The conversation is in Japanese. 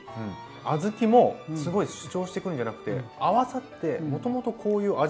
小豆もすごい主張してくるんじゃなくて合わさってもともとこういう味だったのかなっていう。